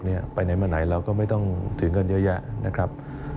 เราพยายามจะลดการใช้เงินสดนะครับ